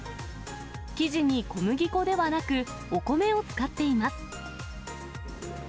生地に小麦粉ではなく、お米を使っています。